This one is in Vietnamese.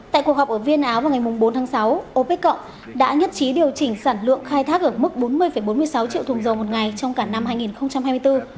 tại cuộc họp ở viên áo vào ngày bốn tháng sáu opec cộng đã nhất trí điều chỉnh sản lượng khai thác ở mức bốn mươi bốn mươi sáu triệu thùng dầu một ngày trong cả năm hai nghìn hai mươi bốn